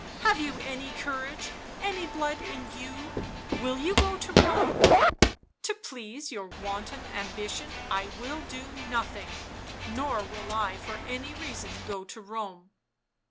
" Have you any courage — any blood in you — will you go to Rome ?"" To please your wanton ambition I will do nothing, nor will I for any reason go to Rome."